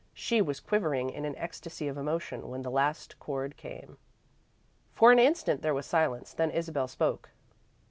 She was quivering in an ecstasy of emotion when the last chord came. For an instant there was silence, then Isabel spoke.